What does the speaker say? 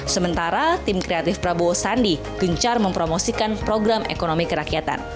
sementara tim kreatif prabowo sandi gencar mempromosikan program ekonomi kerakyatan